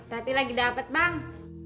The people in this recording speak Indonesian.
tadi lagi dapet bang